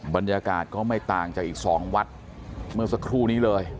บรรยากาศก็ไม่ต่างจากอีก๒วัดเมื่อสักครู่นี้เลย